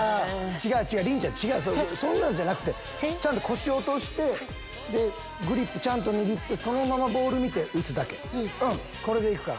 りんちゃん違うそんなんじゃなくてちゃんと腰落としてグリップちゃんと握ってそのままボール見て打つだけこれで行くから。